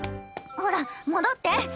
ほら戻って。